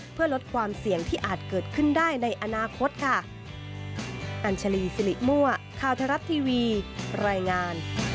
เพื่อลดความเสี่ยงที่อาจเกิดขึ้นได้ในอนาคตค่ะ